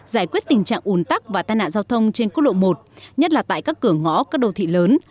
giải quyết tình trạng ủn tắc và tai nạn giao thông trên quốc lộ một nhất là tại các cửa ngõ các đô thị lớn